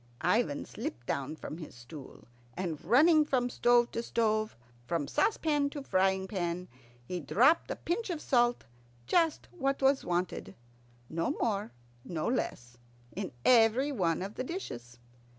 Ivan slipped down from his stool, and running from stove to stove, from saucepan to frying pan, he dropped a pinch of salt, just what was wanted, no more no less, in everyone of the dishes.